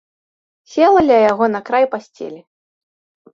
Села ля яго на край пасцелі.